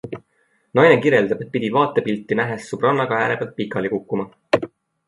Naine kirjeldab, et pidi vaatepilti nähes sõbrannaga äärepealt pikali kukkuma.